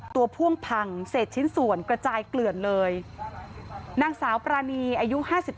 ตัวพ่วงพังเสร็จชิ้นส่วนกระจายเกลือนเลยนางสาวปราณีอายุ